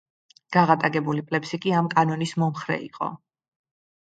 გაღატაკებული პლებსი კი ამ კანონის მომხრე იყო.